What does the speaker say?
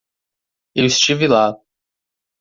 Eu estive lá